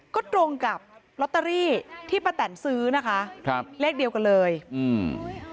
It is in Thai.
ก็ตรงกับลอตเตอรี่ที่ป้าแตนซื้อนะคะครับเลขเดียวกันเลยอืม